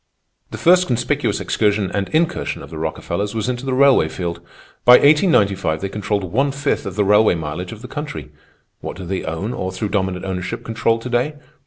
"The first conspicuous excursion and incursion of the Rockefellers was into the railway field. By 1895 they controlled one fifth of the railway mileage of the country. What do they own or, through dominant ownership, control to day?